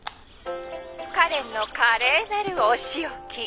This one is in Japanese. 「『カレンの華麗なるお仕置き』」